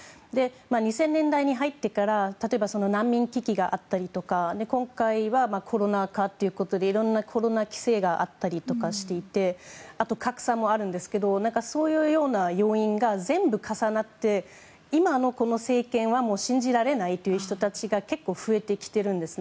２０００年代に入ってから難民危機があったりとか今回はコロナ禍ということでいろんなコロナ規制があったりしてあと格差もあるんですけどそういう要因が全部重なって、今の政権は信じられないという人たちが結構増えてきてるんですね。